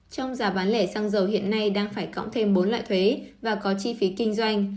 trong giá bán lẻ xăng dầu hiện nay đang phải cộng thêm bốn loại thuế và có chi phí kinh doanh